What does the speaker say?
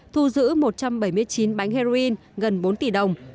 thu giữ một trăm bảy mươi chín bánh heroin